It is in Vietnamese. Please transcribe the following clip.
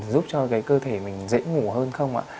giúp cho cái cơ thể mình dễ ngủ hơn không ạ